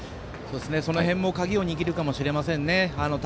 その辺も鍵を握るかもしれませんね。